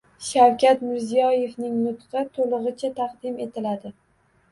Shavkat Mirziyoyevning nutqi to‘lig‘icha taqdim etiladi